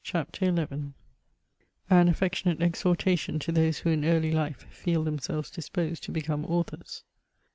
CHAPTER XI An affectionate exhortation to those who in early life feel themselves disposed to become authors.